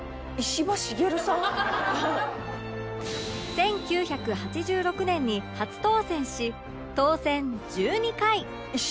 １９８６年に初当選し当選１２回